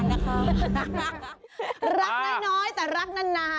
รักได้น้อยแต่รักนานนะจ๊ะ